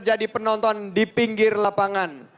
jadi penonton di pinggir lapangan